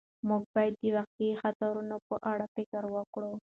موږ باید د واقعي خطرونو په اړه فکر وکړو.